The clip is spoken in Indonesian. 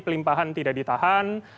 pelimpahan tidak ditahan